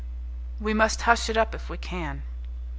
We must hush it up if we can."